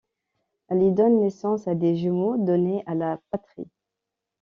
Elle y donne naissance à des jumeaux, donnés à la patrie.